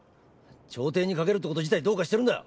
調停にかけるってこと自体どうかしてるんだ！